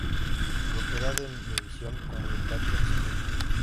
Propiedad de Univisión Communications, Inc.